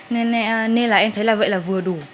nên là em thấy là vậy là vừa đủ